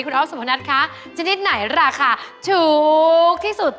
คุณอ๊อฟสุภัณฑ์นัดคะชนิดไหนราคาถูกที่สุด